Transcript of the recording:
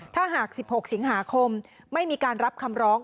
ถ้าหาก๑๖สิงหาคมไม่มีการรับคำร้อง